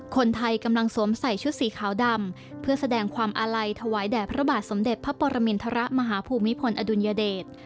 คนไทยกำลังสวมใส่ชุดสีขาวดำเพื่อแสดงความอาลัยถวายแด่พระบาทสมเด็จพระปรมินทรมาฮภูมิพลอดุลยเดช